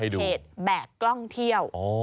เพจแบบกล้องเที่ยว